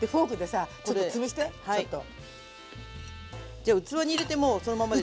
じゃ器に入れてもうそのままで？